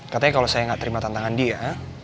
katanya kalau saya nggak terima tantangan dia